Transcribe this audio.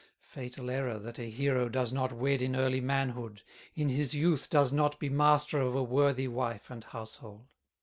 Fatal error that a hero Does not wed in early manhood, In his youth does not be master Of a worthy wife and household."